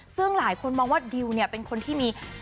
ซึ่งหลายคนมองว่าดิวเนี่ยเป็นคนที่มี